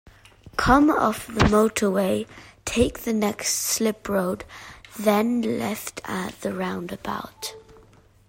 Come off the motorway, take the next slip-road, then left at the roundabout